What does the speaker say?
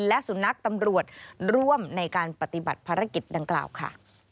และสุนัขตำรวจร่วมในการปฏิบัติภารกิจดังกล่าวค่ะ